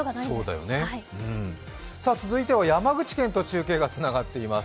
続いては山口県と中継がつながっています。